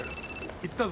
言ったぞ。